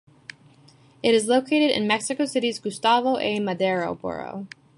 It is located in Mexico City's Gustavo A. Madero borough.